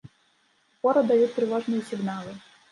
Упору даюць трывожныя сігналы.